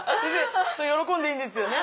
それ喜んでいいんですよね？